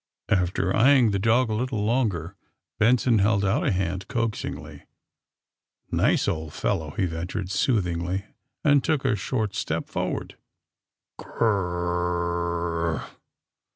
After eyeing the dog a little longer, Benson held out a hand coaxingly. Nice old fellow," he ventured soothingly, and took a short step forward. *^Gr r r r!"